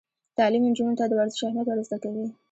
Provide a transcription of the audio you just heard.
تعلیم نجونو ته د ورزش اهمیت ور زده کوي.